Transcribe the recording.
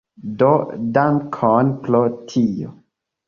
Do dankon pro tio.